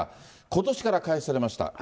ことしから開始されました。